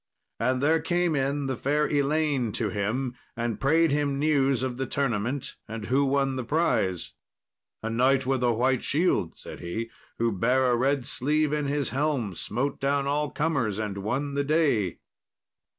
And there came in the fair Elaine to him, and prayed him news of the tournament, and who won the prize. "A knight with a white shield," said he, "who bare a red sleeve in his helm, smote down all comers and won the day."